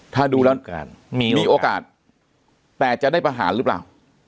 ถ้าดูแล้วมีโอกาสแต่จะได้ประหารหรือเปล่า